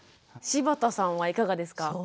柴田さんはいかがですか？